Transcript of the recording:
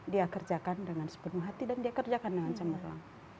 dia kerjakan dengan sepenuh hati dan dia kerjakan dengan cemerlang